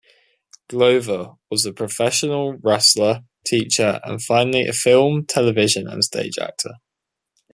Glover was a professional wrestler, teacher, and finally a film, television and stage actor.